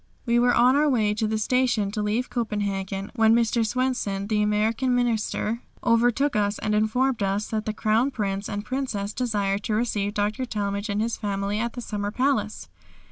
We were on our way to the station to leave Copenhagen, when Mr. Swenson, the American Minister, overtook us and informed us that the Crown Prince and Princess desired to receive Dr. Talmage and his family at the summer palace.